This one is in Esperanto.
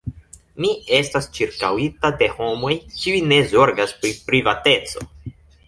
Mi estas ĉirkaŭita de homoj, kiuj ne zorgas pri privateco.